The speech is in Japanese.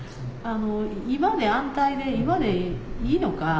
今で安泰で今でいいのか。